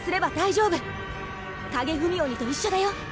影踏み鬼と一緒だよ。